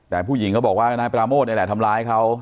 แต่ผู้หญิงเขาบอกว่านายปราโมทนี่แหละทำร้ายเขา